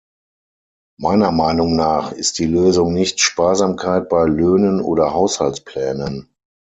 Meiner Meinung nach ist die Lösung nicht Sparsamkeit bei Löhnen oder Haushaltsplänen.